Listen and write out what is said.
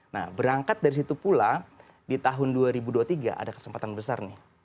nah berangkat dari situ pula di tahun dua ribu dua puluh tiga ada kesempatan besar nih